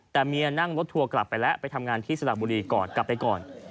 แต่เมียนั่งรถทัวร์กลับไปแล้วไปทำงานที่สระบุรีก่อนกลับไปก่อน